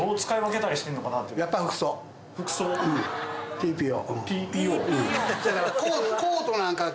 ＴＰＯ？